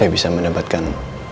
saya bisa mendapatkan